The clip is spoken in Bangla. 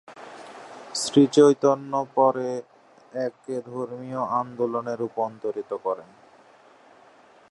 শ্রীচৈতন্য পরে একে ধর্মীয় আন্দোলনে রূপান্তরিত করেন।